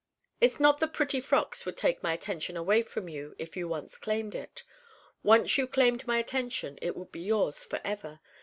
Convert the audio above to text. It's not that pretty frocks would take my attention away from you if you once claimed it. Once you claimed my attention it would be yours forever.